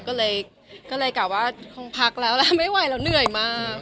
ก็เลยกลัวว่าคงพักแล้วแล้วไม่ไหวแล้ว